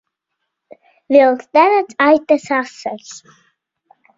Vilks neredz aitas asaras.